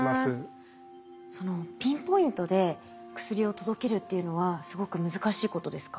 ピンポイントで薬を届けるっていうのはすごく難しいことですか？